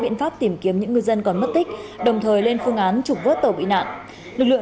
biện pháp tìm kiếm những ngư dân còn mất tích đồng thời lên phương án trục vớt tàu bị nạn lực lượng